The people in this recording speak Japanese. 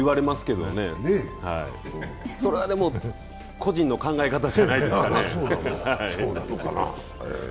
でも、それは個人の考え方じゃないですか。